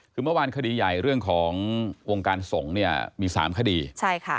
คือเมื่อวานคดีใหญ่เรื่องของวงการสงฆ์เนี่ยมีสามคดีใช่ค่ะ